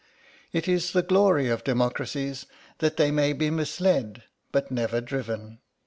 It is the glory of democracies that they may be misled but never driven.